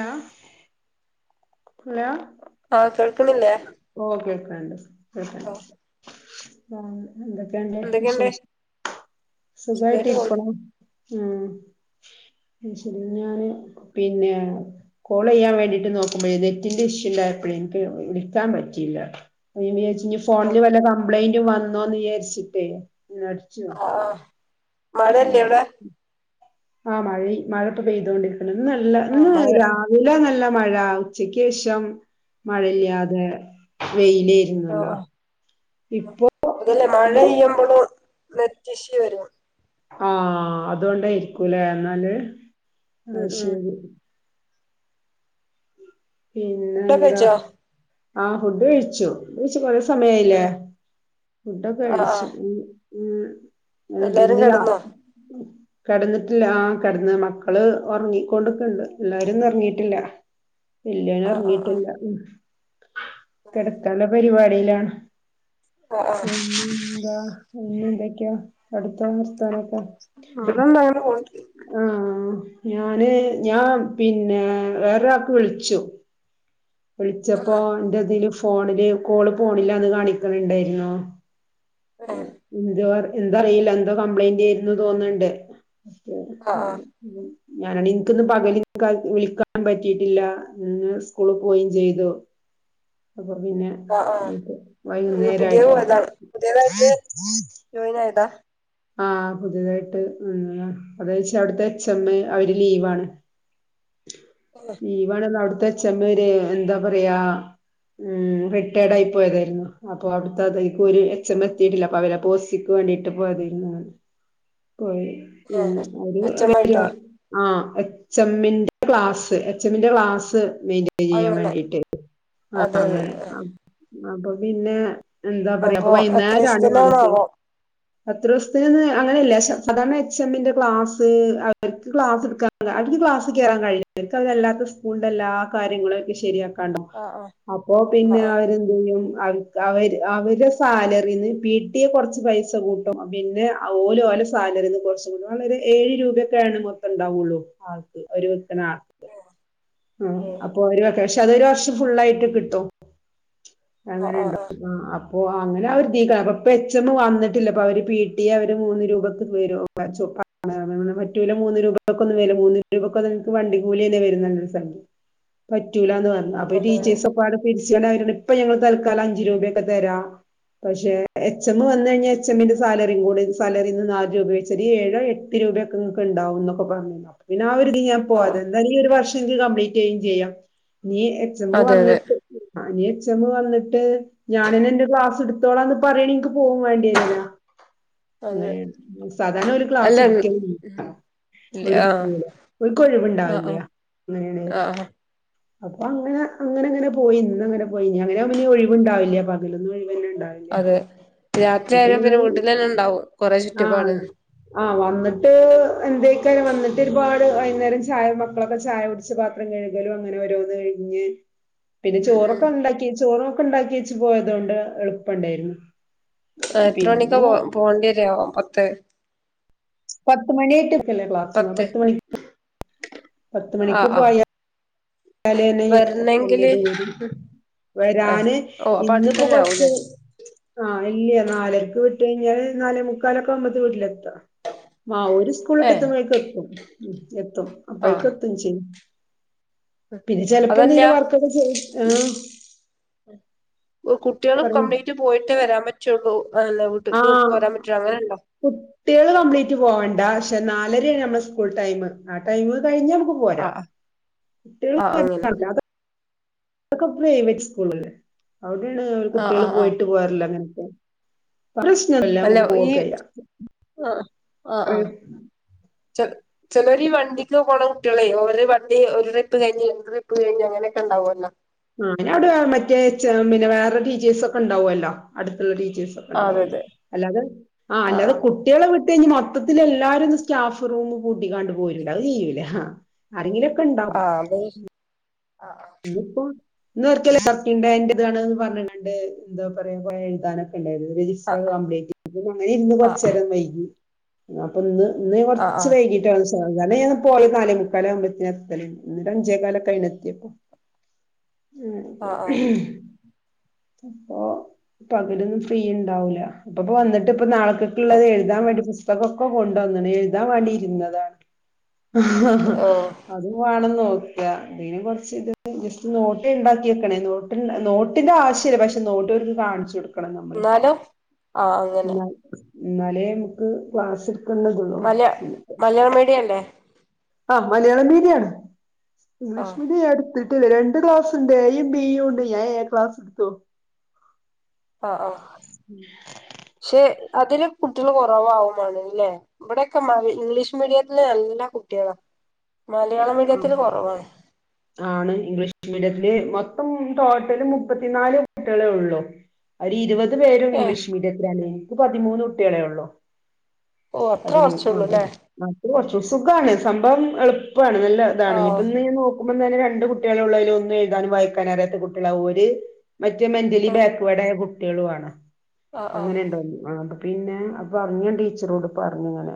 ആ ഹലോ ആ കേൾക്ക് ഓ കേൾക്കാണ്ട് കേക്കാണ്ട് ആഹ് മൂന്ന് എന്തൊക്കേണ്ട് എന്തൊക്കെയുണ്ട് വിശേഷം സുഖായിട്ട് ഇരിക്കണു ഉം ശരി ഞാന് പിന്നെ കോൾ ചെയ്യാൻ വേണ്ടിട്ട് നോക്കുമ്പോഴേ നെറ്റിന്റെ ഇഷ്യൂ ഇണ്ടായപ്പഴേ എനിക്ക് വിളിക്കാൻ പറ്റിയില്ല [unintelligible] ഇനി ഫോണില് വല്ല കം പ്ലൈന്റ് വന്നോന്ന് വിചാരിച്ചിട്ടേ ഒന്നടിച്ചു ആഹ് നോക്കിയതാ ആഹ് ഉം മഴല്ലേ അവിടെ ആഹ് മഴയ് മഴപ്പൊ പെയ്തോണ്ട് ഇന്നല്ല ആഹ് ഇന്ന് മഴ രാവിലെ നല്ല മഴ ഉച്ചക്കേശഷം മഴയില്ലാതെ ആഹ് വെയിലേയിരുന്നല്ലോ ആഹ് ഇപ്പോ അതല്ലേ മഴ പെയ്യുമ്പോളും- [unintelligible] വരും ആഹ അതുകൊണ്ട് ഇരിക്കൂലേ എന്നാല് ആഹ ഉം ഉം ശരി പിന്നെ ഫുഡൊക്കെ എന്താ കഴിച്ചോ ആഹ ഫുഡ് കഴിച്ചു [unintelligible] സമയായില്ലേ ഫുഡൊക്കെ ആഹ് കഴിച്ചു ആഹ് മ്മ് [unintelligible] എല്ലാരും ഇന്ന് കിടന്നോ രാവിലെ - കിടന്നിട്ടില്ല ആ കിടന്ന് മക്കള് ഉറങ്ങിക്കൊണ്ടിക്കണ്ട് എല്ലാരും ഒന്നും ഉറങ്ങിയിട്ടില്ല [unintelligible] ഇല്ല ആഹ് ആഹ് ഉറങ്ങിട്ടില്ല കിടക്കാനുള്ള പരിപാടിയിലാണ് ആഹ് ആഹ് ആഹ് പിന്നന്ത പിന്നെ എന്തൊക്കെയ അടു വർത്താനൊക്കെ ഇവിടെന്താ അങ്ങനെ പോണ് ആഹഹ് ഞാന് പിന്നെ വേറെ ഒരാൾക്ക് വിളി ച്ചു വിളിച്ചപ്പോ ആഹ് അതിന്റ ഏതേലും - ഫോണില് കോള് പോണില്ലാന്ന് കാണിക്കുന്നുണ്ടായിരുന്നു ഏഹ് ആഹ് എന്തറില്ല എന്തോ കംപ്ലൈന്റായിരുന്നു തോന്ന്ണ് ണ്ട് ആഹ് ആഹ് ഞാനാ ഇനിക്ക് ഒന്ന് പകല് വിളിക്കാനൊന്നും പറ്റിട്ടില്ല ഇന്ന് സ്കൂളിൽ പോകുകയും ചെയ്തു അപ്പൊ പിന്നെ ആഹ് ആഹ് ഉം പുതിയത് പോയതാണ് പുതിയതായിട്ട് വൈകുന്നേരയിട്ടാവന്നത് ജോയിൻ ആയതാ ആഹ് പുതിയതായിട്ട് അവ്ട്ത്തെ എച്ച് എമ്മ് അവര് ലീവാണ്. ഏഹ് ലീവാണ് അവര് അവ്ട്ത്തെ എച്ചമ്മോര് എന്താ പറയാ ഊം റിട്ടയേർഡായി പോയതായിര്ന്നു അപ്പൊ അവിടുത്തെ അത് ഒരു എച്ചമ്മ് എത്തിട്ടില്ല അപ്പ അവരെ പോസ്റ്റിംഗിന് വേണ്ടീട്ട് പോയയത് ഊം പോയി ഏഹ് ആഹ് എച്ച് എം അവര് ആയിട്ടോ ആഹ് എച്ചമ്മിന്റെ ക്ലാസ് മെയിന്റെയ്ൻ ചെയ്യാൻ അങ്ങനെ വേണ്ടീട്ട് ആഹ് അതെ അതെ അങ്ങനെ ആഹ് അപ്പൊ പിന്നെ- എന്താ പറയാ അപ്പൊ എത്ര വൈകുന്നേരാണ് വണ്ടി ദിവസത്തിനാണാവോ എത്ര ദിവസത്തിനാണ്ന്ന് അങ്ങനെല്ല സാധാരണ എച്ച് എമ്മിന്റെ ക്ലാസ് അവർക്ക് ക്ലാസ് എടുക്കാ അവർക്ക് ക്ലാസ് കേറാൻ കഴില്ല അവർക്ക് അതല്ലാത്ത സ്കൂളിന്റെ എല്ലാ കാര്യങ്ങളും ഒക്കെ ശരിയാ ക്കണ്ടാവും ആഹ് അപ്പൊ പിന്നെ ആഹ് അവരെന്തെയ്യും അവര് ക്ക് അവര് അവര് സാലറീന്ന് പിട്ടിഎ കൊറച്ച് പൈസ കൂ ട്ടും പിന്നെ ഓല ഓലെ സാലറിന്ന് കൊറച്ചും കൂടെ വളരെ ഏഴ് രൂപയൊക്കെ ആണ് മൊത്തംണ്ടാവൊള്ളു ഒര് വിക്ക്ണാക്ക് ആ അപ്പൊ ഓരു പ പക്ഷെ അതൊരു വർഷം ഫുള്ളായിറ്റ് കിട്ടും ആഹ് അങ്ങനെണ്ട് ആഹ് ആ അ ഓഹ് അങ്ങനെ അവര് തീലാ പ്പം എച്ചെമ്മ് വന്നിട്ടില്ല പ്പ അവര് പീട്ടിയെ അവര് മൂന്ന് രൂപക്ക് വരോ ചോ പറ്റൂല മൂന്ന് രൂപക്കൊന്നും വരൂല മൂന്ന് രൂപക്കൊന്നും ൻക്ക് വണ്ടി കൂലിന്നെ വര്ന്ന്ണ്ട് പ റ്റൂലാന്ന് പറഞ്ഞ് അപ്പൊ ഉം ആഹ് ഈ ആഹ് ടീച്ചേർസൊക്കെപ്പാടെ പിര് ച ഇപ്പൊ ഞങ്ങള് തൽക്കാലം അഞ്ച് രൂപയൊക്കെ തരാം പക്ഷെ എച്ചെമ്മ് വന്ന് കഴിഞ്ഞാ എച്ചെമ്മിന്റെ സാലറി കൂടി സാലറിന്ന് നാല് രൂപ വെച്ച് ഏഴോ എട്ട് രൂപയൊക്കെങ്ങക്ക്ണ്ടാവുംന്നൊക്കെ പറഞ്ഞ് ആ ഒര്തീല് ഞാൻ ആഹ് അതെതെ ആഹ് പോയതാ എന്തായാലും ഈ ഒര് വർഷം ൻക്ക് കപ്ലീറ്റ് ചെയ്യും ചെയ്യാം ഞ്ഞീ എച്ചെമ്മ് അതെ അതെ വന്ന്ട്ട് ഞ്ഞ് എച്ചെമ്മ് വന്ന്ട്ട് ഞാനന്നെന്റെ ക്ലാസ് ട്ത്തോളാന്ന് പറയണെ ൻക്ക് പോകും വേണ്ടെരൂല അതെ അങ്ങനെയ സാധാരണ ഓല് അല്ല ക്ലാസ് ഇട്ക്ക ഓര് ആഹ് ട്രിപ്പ്പോവും ആഹ് ഓല്ക്കൊഴിവുണ്ടാവില്ല ആഹ് അങ്ങനേണേല് ആഹ് അപ്പൊ അങ്ങനെ അങ്ങനെ അങ്ങനെ പോയി ഇന്ന്ങ്ങനെ പോയി ഞ്ഞി അങ്ങനെ മുമ്പോ നി ഒഴിവുണ്ടാവില്ല പകലൊന്നും ഒഴിവന്നെ ഉണ്ടാവില്ല അതെ രാത്രി ഇപ്പൊ ആയാലും പിന്നെ ഞാൻ വീട്ടിലെന്നെണ്ടാവും കൊറേ ആ ചുറ്റുപാട് ആ വന്ന്ട്ട് എന്തെയ്ക്കാരം വന്നിട്ട് ഒരുപാട് വൈന്നേരം ചായ മക്കളൊക്കെ ചായ കുട്ച്ച പാത്രം കഴുകലും അങ്ങനെ ഓരോന്ന് കഴിഞ്ഞ് പിന്നെ ഉം ഉം ചോറൊക്കെണ്ടാക്കി ചോറൊ പ്പ ണ്ടാക്കെച്ച് പോയതോണ്ട് എളുപ്പണ്ടായ്ര്ന്നു എ എത്ര മണിക്ക പോ പോവേണ്ടി വരാവോ പത്ത് പത്ത് മണിയായിട്ട് ല്ല ക്ലാസ് പത്ത് മണി പത്ത്മണിക്ക് ആഹ് ആഹ് പോയാ തലേന്നേ എത്തും വല്യ വരണെങ്കില് ദൂരം ഏഹ് വരാന് ഓഹ് അപ്പൊ ഇന്ന്പ്പോ അടുത്തന്നെ ആവൂലേ കൊറ്ച്ച് ആ ഇല്ല്യ നാലരക്ക് വി ട്ട്കയ്ഞ്ഞാല് നാലേ മുക്കാലൊക്കാവുമ്പത്ത് വീട്ട്ലെ ആ ഓര് ഏഹ് സ്കൂളിട്ടത്തുമ്പോഴക്കെത്തും ഉം എത്തും ആഹ് അപ്പോക്കെത്തും ചെയ്യു പിന്നെ ചെലപ്പെന്തേലും അതല്ല വർക്കൊക്കെ ചെയ് ആ കുട്ടികളും കംപ്ലീറ്റ് പോയിട്ടേ വരാൻ പറ്റുള്ളൂ അല്ല ആ വീട്ടിക്ക് പോരാൻ പറ്റുള്ളൂ അങ്ങനെണ്ടോ കുട്ട്യേള് കംപ്ലീറ്റ് പോവണ്ട ഷ് പക്ഷെ നാലരയാണ് നമ്മൾ സ്കൂൾ ടൈം ആ ടൈം കഴിഞ്ഞ മക്ക് പോരാ ആഹ് കുട്ടിക ആഹ് ആഹ് അങ്ങനെ [unintelligible] അക്കെ പ്രൈവറ്റ് സ്കൂള് അവിടെണ്ട് ആഹ് കുട്ടിയാള് ആഹ് ആഹ് പോയിട്ട് പോരല്ലങ്ങനെ പ്രശ്നല്ല അല്ല നമക്ക് ഈ പോവക്കയ്യ ആഹ് ആഹ് ആഹ് [unintelligible] ചെ ചെലര് വണ്ടിക്ക് പോണ കുട്ടികളെ ഒരു വണ്ടി ഒരു ട്രിപ്പ്ഴിഞ്ഞ് രണ്ട് ട്രിപ്പ് കഴിഞ് അങ്ങനെക്കെ ഉണ്ടാവുല്ലോ ആ അങ്ങനെ അവിടെ മറ്റേ പിന്നെ വേറെ ടീച്ചേഴ്സ് ഒക്കെ ഉണ്ടാവുമല്ലോ അടുത്തുള്ള ടീ ആ അതെ ചേസൊക്കെണ്ടാവല്ലോ അതെ അല്ലാതെ ആ അല്ലാതെ ആഹ് കുട്ടിളെ വി കെ മൊത്തത്തില് എല്ലാരും ത് സ്റ്റാഫ് റൂമ് പൂട്ടിക്കാണ്ട് പോരൂല്ല അത് ചെയ്യൂല്ല ആരെങ്കിലു ആഹ് ബയി ഇന്നിപ്പോ ഇന്ന്ഒറ്റല്ലെ കട്ടിങ് ഡെ അയിന്റെ ഇതാണ്ന്ന് പർഞ് ണ്ടണ്ട് ന്താ പറയാ കൊഏ എഴുതാനൊക്കെ ണ്ടായിന്ന് രജിസ്റ്റർ അത് കംപ്ലീറ്റ് പ അങ്ങനെ ഇന്ന് ആഹ് കൊർചേരം വൈകി ന്നാപ്പന്ന് ഇന്നെയി ആഹ് ആഹ് കൊർച്ച് ആഹ് വൈകിട്ടാ സ് [unintelligible] നാലേ മുക്കാല ആവുമ്പൊത്യാത്തെല് ഇണ്ട അഞ്ചേക്കാലക്കെ ആയീണ് ത്തിയപ്പൊ. ആഹ് [unintelligible] പ്പൊ പകലൊന്നും ഫ്രീ ണ്ടാവൂല്ല. അപ്പപ്പ വന്നിട്ട് പ്പ നാളെ ക്കക്ക്ള്ളതെ ആഹ് എഴുതാവേണ്ടി ബു സ്തകൊക്കെ കൊണ്ടുവന്ന്ണ് എഴുതാൻ വേണ്ടി ഇരുന്നതാണ് ഹ് ഹ ഹ ഓഹ് അതും വേണം നോ ക്യ പിനെ കൊർച്ച് ത് ജസ്റ്റ് നോക്കി ണ്ടാക്കി ക്കണെ നോതൃ നോട്ടിന്റെ ആവശ്യല് പക്ഷെ നോട്ടൊൽക്ക് കാണിച്ചു കൊടു ക്കണം നമ്മള്. എന്നാലും ആഹ് അങ്ങനെ ന്നാലേ മുക്ക് ക്ലാസ്ട് മലയാ മലയാള മീടിയല്ലേ ആ മലയാളം മീടിയാണ് ഇംഗ്ലീഷ് ആഹ് മീഡിയം അടുത്തിട്ടണ്ട് രണ്ട് ക്ലാസ്ണ്ട് എയും ബിയും ഉണ്ട് ഞാൻ ഏ ക്ലാസ് എടുത്തു ആഹ് ആഹ് ശേ അതില് കുട്ടികൾ കുറവവുമാണ് അല്ലേ ഇവിടൊക്കെ ഇംഗ്ലീഷ് മീഡിയത്തില് നല്ല കുട്ടികളാ മലയാള ആ മീഡിയത്തില് കുറവാണ് മിഡിത്തില് മൊത്തം ടോട്ടല് മുപ്പത്തിനാല് കുട്ടികളേ ഉള്ളൂ അതി ഇരുപത്തി അത് പേരും ഏ ഇംഗ്ലീഷ് മീഡിയത്തിലണേ ക്ക് പതിമൂന്ന് കുട്ടികളേ ഉള്ളോ ഓ അത്ര കുറച്ചുള്ളുലേ അത് കുറച്ച് സുഖാണ് സംഭവം എളുപ്പവാണ് ആ അതാണ് ഇപ്പൊ നി നോ [unintelligible] രണ്ട് കുട്ടികളെ ഉള്ളതില് ഒന്നും എഴുതാനും വായിക്കാൻ അറിയത്ത കുട്ടികള ഒരുര് മറ്റ മെന്റലി ആഹ് ബാക്ക്വേഡ ആ തെളുവാണോ ആഹ് ആഹ് അങ്ങനെ ഉണ്ടോ ആ പിന്നെ അപ്പം പറഞ്ഞ ടീച്ചറോട് പറഞ്ഞു ഇങ്ങനെ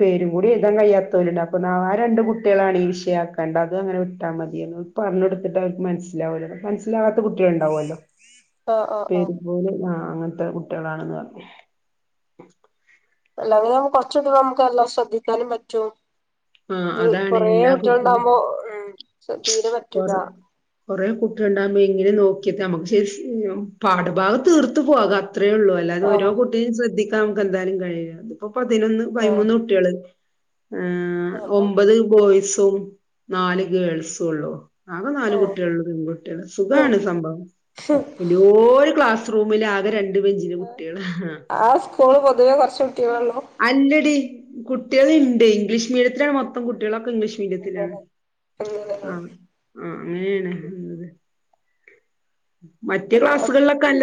പേരും കൂടി ഏഴുതാൻ കഴിയാത്തവരുണ്ട് അപ്പൊ ആ രണ്ട് കുട്ടി കുട്ടികളാണ് ഈ വിഷയയാക്കാണ്ട അത് അങ്ങനെ വിട്ടാ മതിയന്ന് പറഞ്ഞ കൊടുത്തിട്ട് അവർക്ക് മനസ്സിലാവില്ലന്ന് മനസില കുട്ടികള ഉണ്ടാവുമല്ലോആ ആഹ് ആഹ് അപ്പഇത് പോലെ ആ അങ്ങനത്തെ കുട്ടികളാണെന്ന് പറഞ്ഞു അല്ലതെ നമക്ക് കൊറച്ചൊക്കൊ നമുക്ക് എല്ലാം ശ്രദ്ധിക്കാനും പറ്റും ആ ഇത് അതാണ് കൊറേ എല്ലാ കുട്ടികൾ കുട്ടികളും ഉണ്ടാവുമ്പോ ഉം ശ തീരെ പറ്റൂലാ കുറേ കുട്ടികൾ ഉണ്ടാകുമ്പോ ഇങ്ങനെ നോക്കിയത്തെ നമ്മുക്ക് ശരി പാഠഭാഗം തീർത്തു പോക്കാം അത്രേള്ളൂ അല്ലാത ഓരോ ആഹ് കുട്ടിയും ശ്രദ്ധി നമുക്ക് എന്തായാലും കഴിയില്ല അതപ്പോ പതിനൊന്ന് ആഹ് പൈമൂന്ന് കുട്ടികള് ആ അപ്പൊ ഒമ്പത് ബോയ്സ് ഉം നാല് ഗേൾസും ഉള്ളൂ ആകെ നാലു ഓ കുട്ടികളള്ളു പെൺകുട്ടികള് സുഖാണ് സംഭവം പിന്നെ ഓര് ക്ലാസ് റൂമിൽ ആകെ രണ്ട് ബെഞ്ചില് കുട്ടികള് ആ സ്കൂള് പൊതുവേ കെറച്ച് കുട്ടികളേ ഉള്ളൂ? അല്ലടി കുട്ടികളിണ്ട് ഇംഗ്ലീഷ് മീഡിയത്തിലാണ് മൊത്തം കുട്ടികളും ഇംഗ്ലീഷ് മീഡിയത്തിലാണ് അങ്ങനെ അങ്ങനെ ആ ആ [unintelligible] മറ്റു ക്ലാസ്സുകളിലൊക്കെ അല്ല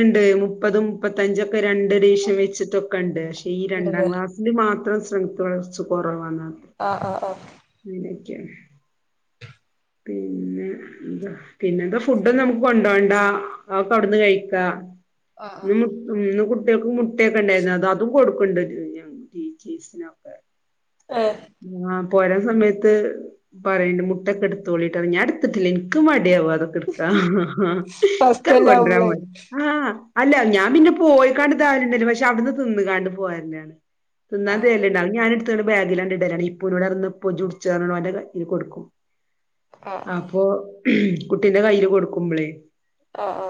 ഉണ്ട് മുപ്പതും മുപ്പത്തഞ്ചും. രണ്ട് എഡിഷൻ വെച്ചിട്ടൊക്കെ കണ്ട് ഈ രണ്ടാം ഉണ്ടല്ലേ ക്ലാസ്സിലു മാത്രം സ്ട്രെങ്ത്ത് കൊറച്ചു കൊറവാണ് ആ ആ ആ ഉം ഉം പിന്നെന്താ ഫുഡോന്നും നമുക്ക് കൊണ്ടോവണ്ട അതൊക്കെ അവിട്ന്ന് കയിക്കാ ആഹ് [unintelligible] കുട്ട്യാക്ക് മുട്ടൊക്കെ ഇണ്ടേര്ന്ന് അത് അതും കൊടുക്കൊണ്ട് [unintelligible] ഏഹ് ആ ഓരോ സമയത്ത് പറയ്ണ്ട് മുട്ടക്കെ ഇടുത്ത് ത്തോളിട്ടോ ഞാനെടുത്തിട്ടില്ല ഇന്ക്ക് മടി ട്യവ അതൊക്കെ ഇട്ക്കാൻ ഹ് ഹ് ഇന്ക്ക അത് ഫസ്റ്റ്ന്നെ കൊണ്ടരാൻ ആവുമ്പളേ മടിയാ ആ അല്ല ഞാൻ പിന്നെ പോയിക്കാണ്ട് കാര്യല്ലല്ലോ പക്ഷെ അവിടുന്ന് തിന്ന്ക്കാണ്ട് പോരലാ ആഹ് തിന്നാന്തെര്ണ്ടാവും ഞാന് ത്ത് ബാഗിലാണ്ട് ഇടലാണ് ഇപ്പോ [unintelligible] ഓന്റെ കയ്യി കൊടുക്കും ആഹ് അപ്പൊ കുട്ടീന്റ കൈയ്യിൽ കൊടുക്കുമ്പളേ അ ആ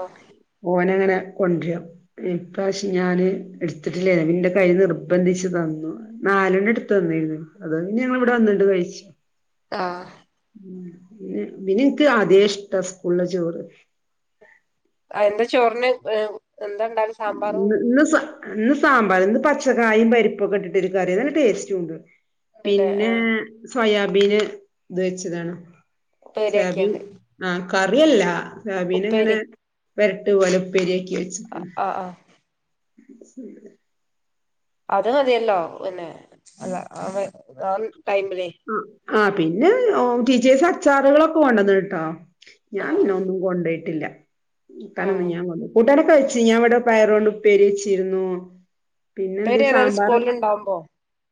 ങ്ങ കൊണ്ട്ര ഇപ്രാശ്യം ഞാന് എട്ത്തിട്ടില്ല ന്റെ കൈ നിർബന്ധിച്ച് തന്നു, നാലണ്ണ എട്ത്ത് തന്നേര്ന്നു, അത് പിന്ന ഞങ്ങള് ഇവിടെ വന്നിട്ട് കഴിച്ചു. ആ ന്നെ പിന്നന്ക്ക് ആദ്യേ ഇഷ്ടാ സ്കൂള്ല ചോറ് ആ എന്താ ചോറിന് ഏ എന്താണ്ടാന്ന് സാമ്പാറും ന്ന് സാമ്പാറ് ഇന്ന് പച്ചക്കായിം പരിപ്പൊക്കെ ഇട്ടിട്ട് ഒരു കറി നല്ല ടേസ്റ്റുണ്ട് ഉണ്ടല്ലേ പിന്നെ ആഹ് സോയാ മീന് ത് വെച്ചതാണോ? ശരി ഉപ്പേരിയാക്കിയണ്ട് ആ കറിഅല്ല നവിനങ്ങനെ വരട്ട് പോലെ ഉപ്പേരി അ അ ആ ശ [unintelligible] അത് മതിയല്ലോ പിന്നെ ടൈമിലെ ആ പിന്നെ ഓ ടീച്ചേഴ്സ് അച്ചാറുകളൊക്കെ കൊണ്ടുവന്ന്ണ് ട്ടോ ഞാൻ ആഹ് പിന്ന ഒന്നും കൊണ്ടയ്ട്ടില്ല കാണാനൊന്നും ആഹ് ഞാൻ [unintelligible] കൂട്ടാനൊക്കെ വെ ച്ച് ഞാവട പയറോണ്ട് ഉപ്പേരി വെച്ചിര്ന്നു. പിന്നെ എന്ത് ഉപ്പേരി ഏതായാലും സാമ്പാറ് സ്കൂളിൽ ഉണ്ടാവുമ്പോ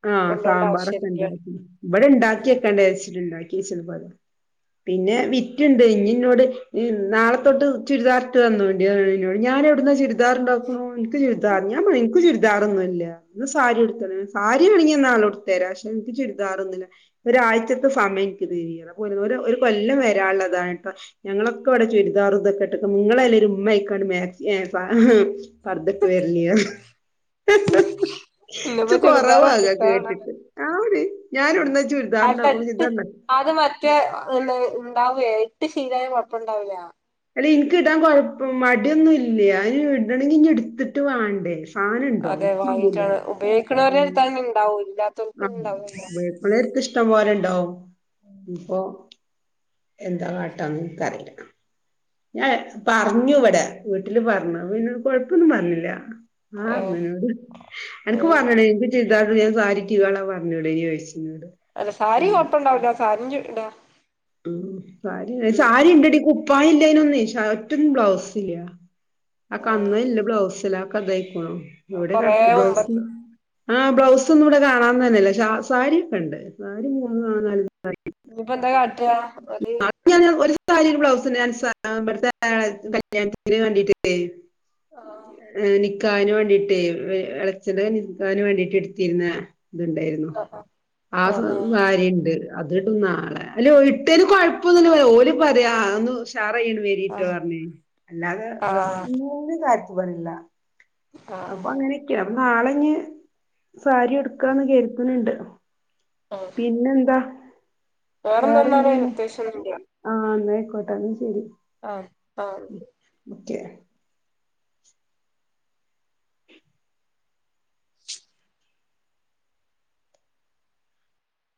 ആ കൊണ്ടോണ്ട സാമ്പാറൊക്കെ ആവശ്യല്ല ഇണ്ടാക്കിന്. വ്ടെ ഇണ്ടാക്കിക്കെണ്ടേ ച്ച്ട്ട്ണ്ടായ് [unintelligible] പിന്നെ വിറ്റ്ണ്ട് ഞ് എന്നോട് ഇവ് നാള തൊട്ട് ചുരിദാർ ഇട്ട് വന്നു [unintelligible] ഞാൻ എവിടുന്നാ ചുരിദാർ ഇണ്ടാക്കുന്നു, നിക്ക് ചുരിദാർ ഞാൻ പറഞ്ഞു നിക്ക് ചുരിദാർ ഒന്നും ഇല്ല, [unintelligible] സാരി ഉടുത്ത [unintelligible] സാരി ആണെങ്കിൽ നാളെ ഉടുത്ത് വരാ, ഷേ നിക്ക് ചുരി [unintelligible] ഇവര് ആഴ്ച്ചക്ക് [unintelligible] ഒ ഒര് ഒര് കൊല്ലം വരാള്ളതാട്ടോ, ഞങ്ങളൊക്കെ ഇവടെ ചുരിദാറും ഇതൊക്കെ ഇട്ടിട്ട് [unintelligible] ഹ് ഹ് ച്ചി ഇന്ന്പ്പോ ചുരിദാർ കുറവാ അതൊക്കെ ഒപ്പിക്കാനുള്ളണ്ട് കേട്ടിട്ട് ആടി ഞാനിവിടുന്ന് [unintelligible] അത് മറ്റേ [unintelligible] വേവീട്ടു ശീലം ഉണ്ടായ കുഴപ്പമില്ല ഇല്ല എനിക്ക്ഇ ടാ ൻ കുഴപ്പമായിട്ട് ഇതൊന്നുമില്ല ഇടാണെങ്കിൽ ഇനി എടുത്തിട്ട് വേണ്ടേ സാധനം ഉണ്ടോ അതെ എനിക്കില്ലല്ലോ വാങ്ങിട്ടാണ് ഉപയോഗിക്കണവരു ഉം. [unintelligible] ആ [unintelligible] ഇഷ്ടം പോല [unintelligible] ഇപ്പൊ എന്താ കാട്ടാന്ന് ഇന്ക്കറീല്ല ഞാൻ പറഞ്ഞു ഇവിടെ വീട്ടില് പറഞ്ഞു അപ്പൊ പിന്നെ കൊഴപ്പൊന്നും പറഞ്ഞീല്ല ആ ഏഹ് [unintelligible] അനക്ക് ഏഹ് വാണോടി അനക്ക് ചെ [unintelligible] [unintelligible] പറഞ്ഞൂടേയ്ന്നോയ്ച്ച് അല്ല സാരി കൊഴപ്പം ഇണ്ടാവൂല്ല സാരി [unintelligible] ഉം സാരി സാരി ഇണ്ടെടി കു പ്പായില്ലേയ്ന്നുന്നെ ഷർട്ടും ബ്ലൗസുല്ല ആഹ് [unintelligible] ബ്ലൗസില കതൈക്കോളും എവിടെ കൊറേ കണക്ക് മുമ്പത്തെ ബ്ലൗസ് ആ ബ്ലൗസ് ഒന്നും ഇവിടെ കാണാൻ തന്നല്ല സാ സാരിയൊക്കെ ഇണ്ട് [unintelligible] കാട്ടാ ഒര് ഞാൻ ഒരു സാരി ഒരു ബ്ലൗസ് [unintelligible] ഇവിടെത്തെ ആ കല്യാണത്തിന് വേണ്ടിടെ ആഹ് [unintelligible] നി ക്കാനു വേണ്ടീട്ടേ ഇളച്ചത് നിക്കാന് വേണ്ടിട്ട് എടുത്തിരുന്ന ഇത് ഇണ്ടായിരുന്നു ആഹ് ആ ആഹ് സാരിയുണ്ട് അത് നാളെ അല്ലോ ഇട്ടേന് കൊഴപ്പന്നുല്ല ഓല പറയാ [unintelligible] [unintelligible] ആഹ് പറഞ്ഞ് അല്ലാതെ ആഹ് ഡ്രസ്സിനോട് താൽ [unintelligible] ആഹ് അപ്പൊ അങ്ങനൊക്കെയാ നാളെ ഞ്ഞ് സാരി എടുക്കാന്ന് കേൾക്കുന്നുണ്ട് പിന്നെന്താ വേറെന്തോന്നാണ് അത്യാവശ്യം ഒന്നുല്ല കോട്ടാണ് ശെരി അ ആ